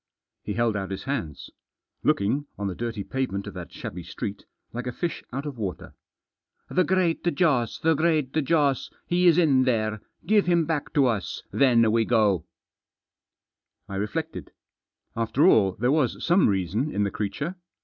He held out his hands. Looking, on the dirty pavement of that shabby street, like a fish out of water. "The Great Jossl The Great Joss! He is in there — give him back to us — then we go." I reflected. After all there was some reason in the creature.